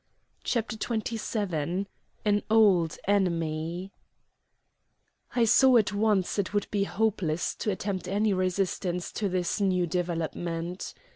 CHAPTER XXVII AN OLD ENEMY I saw at once it would be hopeless to attempt any resistance to this new development.